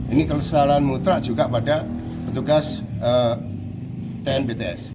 ini kelesalan mutrak juga pada petugas tnbts